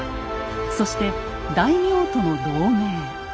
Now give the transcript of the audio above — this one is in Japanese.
そして大名との同盟。